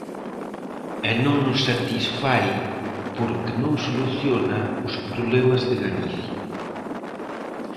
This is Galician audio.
E non nos satisfai porque non soluciona os problemas de Galicia.